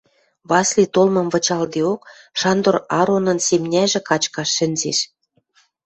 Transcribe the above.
Васли толмым вычалдеок, Шандор Аронын семняжӹ качкаш шӹнзеш.